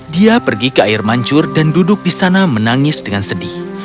dia pergi ke air mancur dan duduk di sana menangis dengan sedih